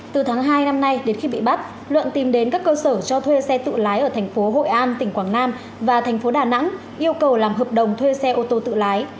từ tháng hai năm nay đến khi bị bắt luận tìm đến các cơ sở cho thuê xe tự lái ở thành phố hội an tỉnh quảng nam và thành phố đà nẵng yêu cầu làm hợp đồng thuê xe ô tô tự lái